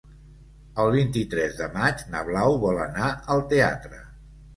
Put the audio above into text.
El vint-i-tres de maig na Blau vol anar al teatre.